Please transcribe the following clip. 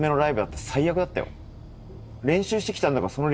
練習してきたんだからその。